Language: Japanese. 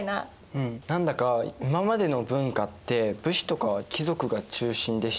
うん何だか今までの文化って武士とか貴族が中心でしたよね。